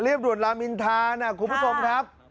เรียบด่วนลามินทานะคุณผู้ชมครับ